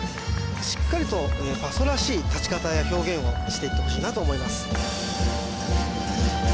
しっかりとパソらしい立ち方や表現をしていってほしいなと思います